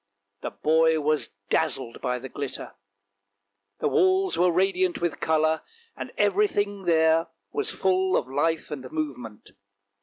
The boy was dazzled by the glitter; the walls were radiant with colour, and everything there was full of life and movement.